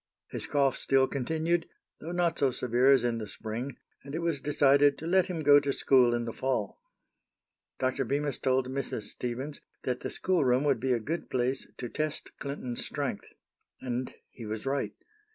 His cough still continued, though not so severe as in the spring, and it was decided to let him go to school in the fall. Dr. Bemis told Mrs. Stevens that the schoolroom would be a good place to test Clinton's strength. And he was right.